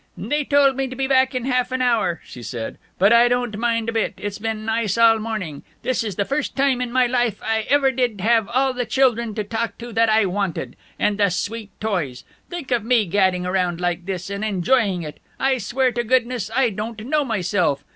"They told me to be back in half an hour," she said, "but I don't mind a bit. It's been nice all morning. This is the first time in my life I ever did have all the children to talk to that I wanted. And the sweet toys! Think of me gadding around like this, and enjoying it! I swear to goodness I don't know myself.